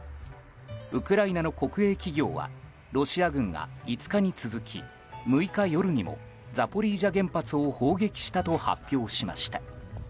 ウクライナの国営企業はロシア軍が５日に続き６日夜にもザポリージャ原発を砲撃したと発表しました。